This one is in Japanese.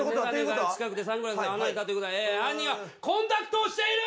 眼鏡が近くてサングラスが離れたってことは犯人はコンタクトをしている！